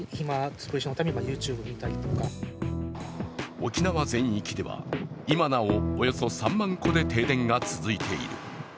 沖縄全域では、今なおおよそ３万戸で停電が続いている。